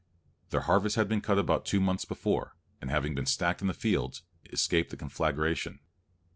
Their harvest had been cut about two months before, and having been stacked in the fields, escaped the conflagration.